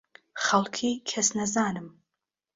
خەڵکی کەسنەزانم.